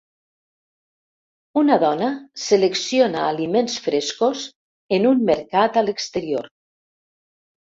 Una dona selecciona aliments frescos en un mercat a l'exterior.